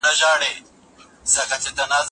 د بهرنی پالیسي اهداف تل په واضح ډول نه وړاندې کېږي.